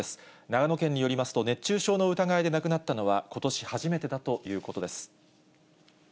長野県によりますと、熱中症の疑いで亡くなったのは、ことし初めてだということです。